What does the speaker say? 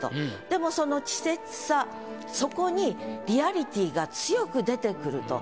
でもその稚拙さそこにリアリティーが強く出てくると。